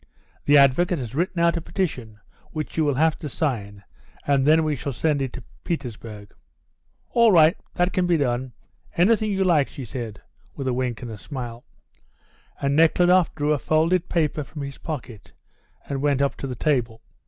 "The advocate has written out a petition which you will have to sign, and then we shall send it to Petersburg." "All right! That can be done. Anything you like," she said, with a wink and a smile. And Nekhludoff drew a folded paper from his pocket and went up to the table.